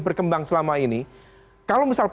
berkembang selama ini kalau misal